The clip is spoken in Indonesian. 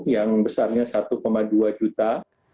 yang besarnya satu dua juta